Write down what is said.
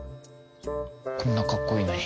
こんなかっこいいのに。